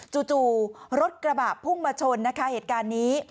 จู่รถกระบะพุ่งมาชนนะคะเหตุการณ์นี้